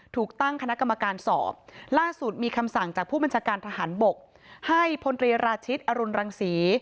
ถูกตั้งคณะกรรมการสอบล่าสุดมีคำสั่งจากผู้บัญชาการทหารบกให้พลตรีราชิตอรุณรังศรี